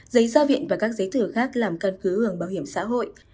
giấy gia viện và các giấy thử khác làm căn cứ hưởng bảo hiểm xã hội